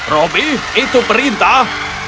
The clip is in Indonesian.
robby itu perintah